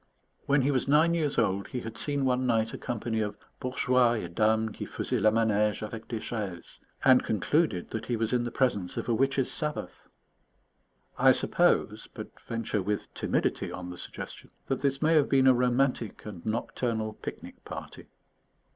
When he was nine years old, he had seen one night a company of bourgeois et dames qui faisaient la manège avec des chaises, and concluded that he was in the presence of a witches' Sabbath. I suppose, but venture with timidity on the suggestion, that this may have been a romantic and nocturnal picnic party.